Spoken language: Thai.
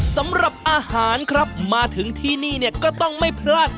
สำหรับอาหารมาถึงทีนี้ก็ต้องไม่พลาด